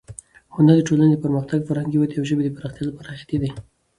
هنر د ټولنې د پرمختګ، فرهنګي ودې او ژبې د پراختیا لپاره حیاتي دی.